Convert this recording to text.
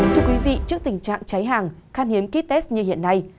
thưa quý vị trước tình trạng cháy hàng khăn hiếm kit test như hiện nay